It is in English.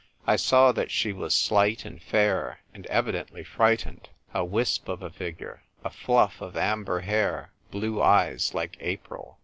I saw that she was slight and fair and evidently frightened : a wisp of a figure, a fluff of amber hair, blue eyes like April.